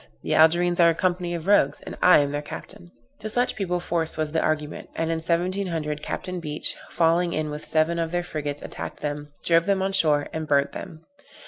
the Algerines are a company of rogues, and I am their captain." To such people force was the argument; and in 1700 Capt. Beach, falling in with seven of their frigates, attacked them, drove them on shore, and burnt them.